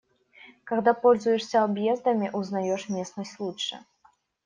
Когда пользуешься объездами, узнаёшь местность лучше.